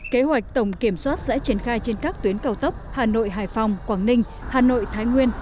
kế hoạch tổng kiểm soát sẽ triển khai trên các tuyến cao tốc hà nội hải phòng quảng ninh hà nội thái nguyên